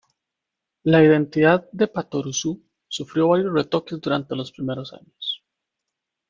La identidad de Patoruzú sufrió varios retoques durante los primeros años.